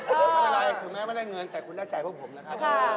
เวลาอย่างสุดแม้ไม่ได้เงินแต่คุณได้จ่ายพวกผมนะครับ